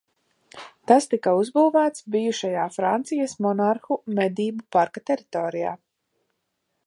Tas tika uzbūvēts bijušajā Francijas monarhu medību parka teritorijā.